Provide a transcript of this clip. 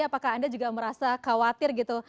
apakah anda juga merasa khawatir gitu